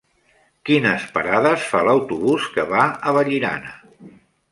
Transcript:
Quines parades fa l'autobús que va a Vallirana?